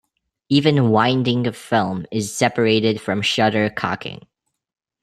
Even winding of film is separated from shutter cocking.